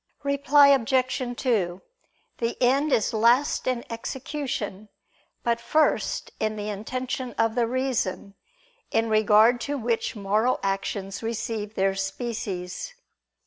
Reply Obj. 2: The end is last in execution; but first in the intention of the reason, in regard to which moral actions receive their species.